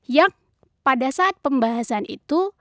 yang pada saat pembahasan itu